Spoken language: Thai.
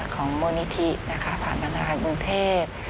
ของโมนิธิผ่านธนาคารกรุงเทพ